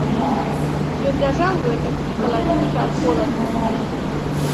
Ён ляжаў гэтак і калаціўся ад холаду.